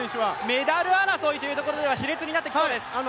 メダル争いというところではしれつになってきそうです。